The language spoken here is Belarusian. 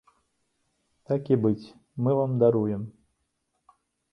Так і быць, мы вам даруем.